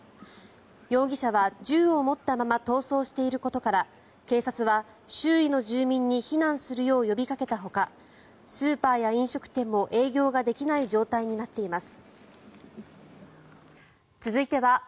容疑者は銃を持ったまま逃走していることから警察は周囲の住民に避難するよう呼びかけたほかスーパーや飲食店も営業ができない状態になっています。